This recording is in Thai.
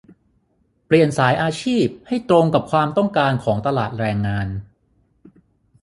เปลี่ยนสายอาชีพให้ตรงกับความต้องการของตลาดแรงงาน